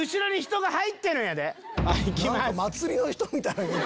何か祭りの人みたいな。